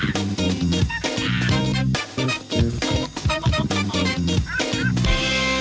เช่นหนูสัมภาพตัวเองกันนะ